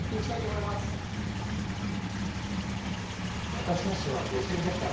中嶋氏は５５歳。